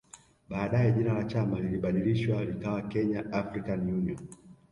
Baadae jina la chama lilibadilishwa likawa Kenya African Union